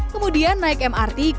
kemudian naik ke stasiun mrt ciputeraya